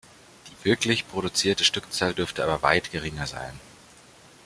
Die wirklich produzierte Stückzahl dürfte aber weit geringer sein.